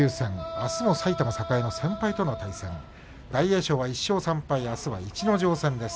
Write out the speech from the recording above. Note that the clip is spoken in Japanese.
あすも埼玉栄の先輩との対戦大栄翔はあすは逸ノ城戦です。